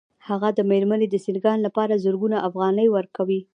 هغه د مېرمنې د سینګار لپاره زرګونه افغانۍ ورکوي